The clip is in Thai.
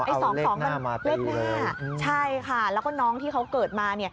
เอาเลขหน้ามาเป็นเลข๕ใช่ค่ะแล้วก็น้องที่เขาเกิดมา